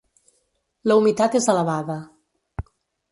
La humitat és elevada.